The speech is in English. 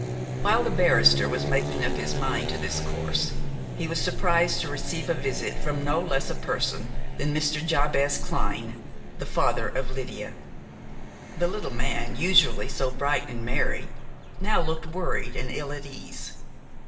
While the barrister was making up his mind to this course he was surprised to receive a visit from no less a person than Mr. Jabez Clyne, the father of Lydia. The little man, usually so bright and merry, now looked worried and ill at ease.